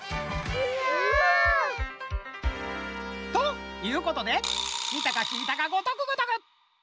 うわ！ということでみたかきいたかごとくごとく！